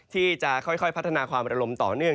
ที่จะค่อยพัฒนาความระลมต่อเนื่อง